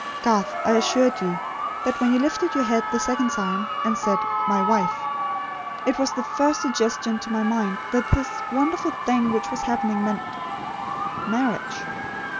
Garth, I assure you, that when you lifted your head the second time, and said, 'My wife,' it was the first suggestion to my mind that this wonderful thing which was happening meant marriage.